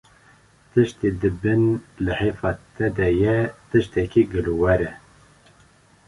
tiştê di bin lihêfa te de ye tiştekî gilover e